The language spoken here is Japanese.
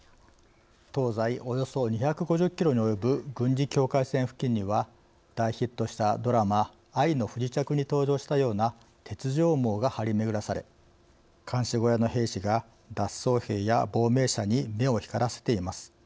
東西およそ２５０キロに及ぶ軍事境界線付近には大ヒットしたドラマ「愛の不時着」に登場したような鉄条網が張り巡らされ監視小屋の兵士が脱走兵や亡命者に目を光らせています。